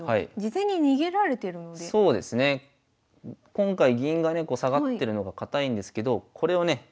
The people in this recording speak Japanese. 今回銀がねこう下がってるのが堅いんですけどこれをね